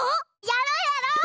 やろうやろう！